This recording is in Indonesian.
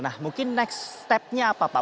nah mungkin next stepnya apa pak